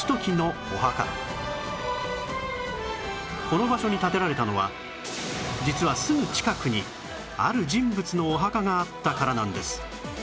この場所に建てられたのは実はすぐ近くにある人物のお墓があったからなんです